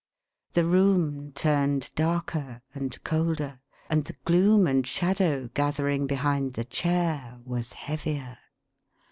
" The room turned darker and colder, and the gloom and shadow gathering behind the chair was heavier.